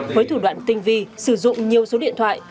với thủ đoạn tinh vi sử dụng nhiều số điện thoại